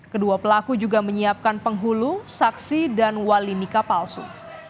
kedua pelaku juga menyiapkan penghulu saksi dan wali nika palsu